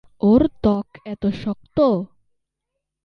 ওর ত্বক এত শক্ত!